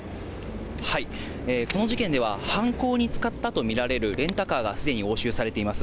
この事件では、犯行に使ったと見られるレンタカーがすでに押収されています。